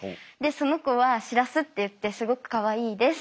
その子はシラスっていってすごくかわいいです。